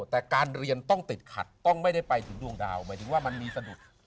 แต่การเรียนต้องติดขัดต้องไม่ได้ไปถึงดวงดาวหมายถึงว่ามันมีสะดุด